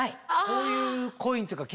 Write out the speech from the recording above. こういうコインっていうか